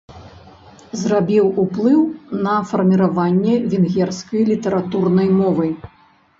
Зрабіў уплыў на фарміраванне венгерскай літаратурнай мовы.